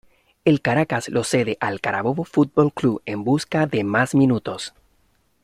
El Caracas lo cede al Carabobo Fútbol Club en busca de más minutos.